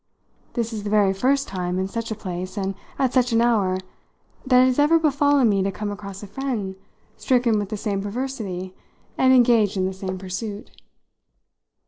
This is the very first time, in such a place and at such an hour, that it has ever befallen me to come across a friend stricken with the same perversity and engaged in the same pursuit.